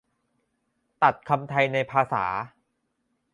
ตัดคำไทยในภาษา